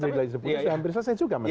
saya hampir selesai juga